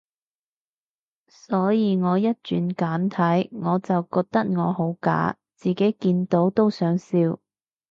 所以我一轉簡體，我就覺得我好假，自己見到都想笑